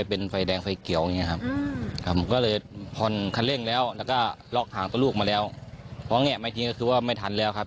คนที่ว่าเจ็บหนักหน่อยก็คือนอนที่เบาะเลยครับ